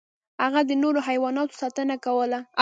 هغه د نورو حیواناتو ساتنه کوله.